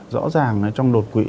rõ ràng trong đột quỵ